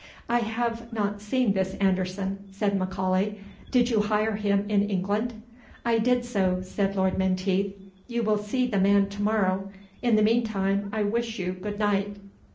"I have not seen this Anderson," said M'Aulay; "did you hire him in England?" "I did so," said Lord Menteith; "you will see the man to morrow; in the meantime I wish you good night."